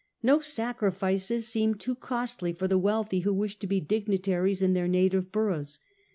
No sacrifices seemed too costly for the wealthy who wished to be dignitaries in their native boroughs.